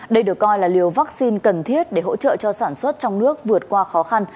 đây được coi là liều vaccine cần thiết để hỗ trợ cho sản xuất trong nước vượt qua khó khăn